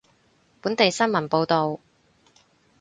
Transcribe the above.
本地新聞報道